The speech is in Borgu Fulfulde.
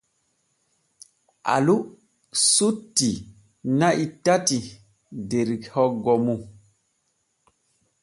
Alu sutti na'i tati der hoggo mum.